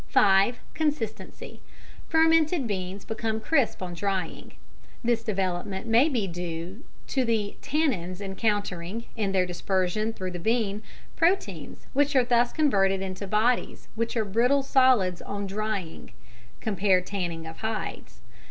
(5) Consistency. Fermented beans become crisp on drying. This development may be due to the "tannins" encountering, in their dispersion through the bean, proteins, which are thus converted into bodies which are brittle solids on drying (compare tanning of hides).